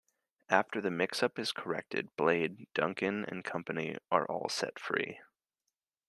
After the mix-up is corrected, Blade, Duncan and company are all set free.